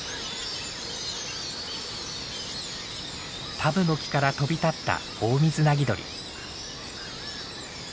タブノキから飛び立ったオオミズナギドリ。